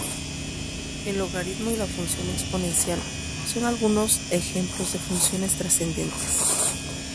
El logaritmo y la función exponencial son algunos ejemplos de funciones trascendentes.